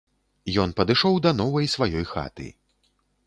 Ён падышоў да новай сваёй хаты.